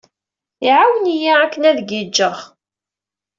Iɛawen-iyi akken ad gijjeɣ.